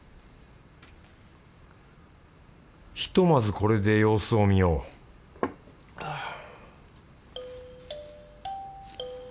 ひとまずこれで様子を見ようはぁ。